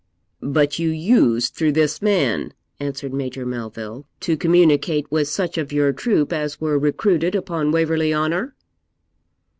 'But you used through this man,' answered Major Melville, 'to communicate with such of your troop as were recruited upon Waverley Honour?'